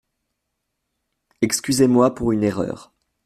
Excusez-moi pour une erreur.